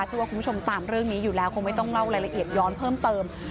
เชื่อว่าคุณผู้ชมตามเรื่องนี้อยู่แล้วคงไม่ต้องเล่ารายละเอียดย้อนเพิ่มเติม